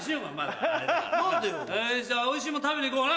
じゃあおいしいもん食べに行こうな！